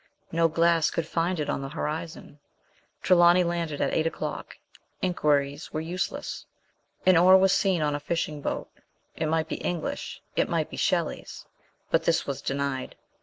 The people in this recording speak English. No glass could find it on the horizon. Tre lawny landed at eight o'clock ; inquiries were useless. An oar was seen on a fishing boat : it might be English it might be Shelley's ; but this was denied.